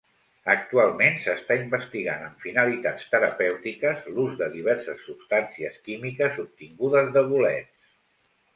Actualment, s'està investigant amb finalitats terapèutiques l'ús de diverses substàncies químiques obtingudes de bolets.